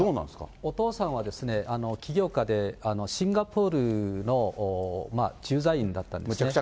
お父さんは起業家で、シンガポールの駐在員だったんですね。